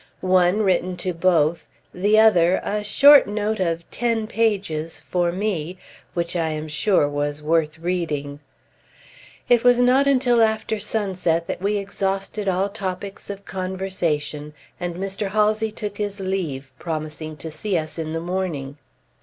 One, written to both, the other, a short note of ten pages, for me, which I am sure was worth reading. It was not until after sunset that we exhausted all topics of conversation, and Mr. Halsey took his leave, promising to see us in the morning.